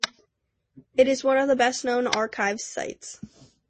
It is one of the best known archive sites.